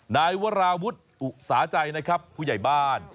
นายวราวุฒิอุตสาใจนะครับผู้ใหญ่บ้าน